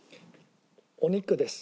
お肉です。